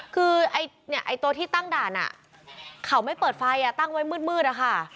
คือตัวที่ตั้งด่านเขาไม่เปิดไฟตั้งไว้มืดอะค่ะ